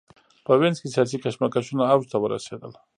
په وینز کې سیاسي کشمکشونه اوج ته ورسېدل.